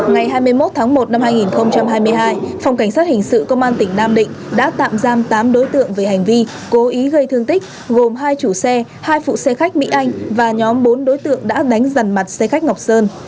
ngày hai mươi một tháng một năm hai nghìn hai mươi hai phòng cảnh sát hình sự công an tỉnh nam định đã tạm giam tám đối tượng về hành vi cố ý gây thương tích gồm hai chủ xe hai phụ xe khách mỹ anh và nhóm bốn đối tượng đã đánh dần mặt xe khách ngọc sơn